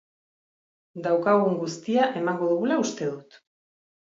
Daukagun guztia emango dugula uste dut.